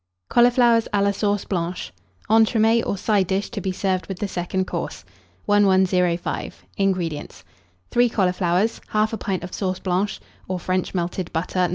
CAULIFLOWERS A LA SAUCE BLANCHE. (Entremets, or Side dish, to be served with the Second Course.) 1105. INGREDIENTS. 3 cauliflowers, 1/2 pint of sauce blanche, or French melted butter, No.